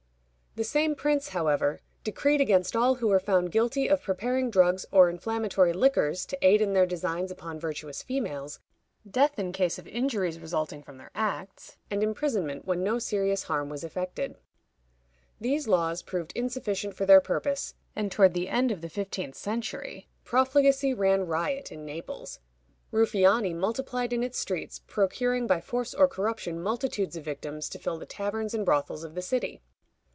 The same prince, however, decreed against all who were found guilty of preparing drugs or inflammatory liquors to aid in their designs upon virtuous females, death in case of injuries resulting from their acts, and imprisonment when no serious harm was effected. These laws proved insufficient for their purpose, and toward the end of the fifteenth century profligacy ran riot in Naples. Ruffiani multiplied in its streets, procuring by force or corruption multitudes of victims to fill the taverns and brothels of the city.